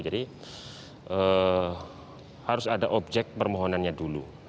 jadi harus ada objek permohonannya dulu